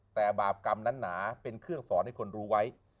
แต่บาปกรรมนั้นหนาเป็นเครื่องสอนให้คนรู้ไว้